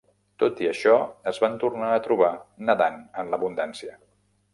Tot i això, ens van tornar a trobar nedant en l'abundància.